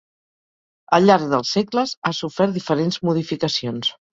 Al llarg dels segles ha sofert diferents modificacions.